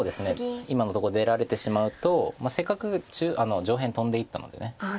今のとこ出られてしまうとせっかく上辺トンでいったので。